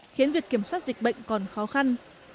khiến việc kiểm soát dịch bệnh còn khó khăn